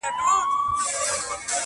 منتظر د ترقی د دې کهسار یو!!